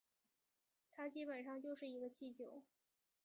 它基本上就是一个气球